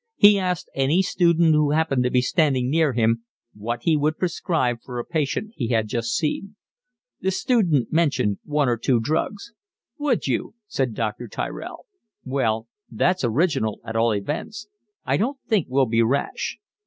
He asked any student who happened to be standing near him what he would prescribe for a patient he had just seen. The student mentioned one or two drugs. "Would you?" said Dr. Tyrell. "Well, that's original at all events. I don't think we'll be rash."